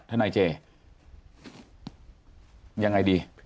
ท่านไนเจย์ยังไงดี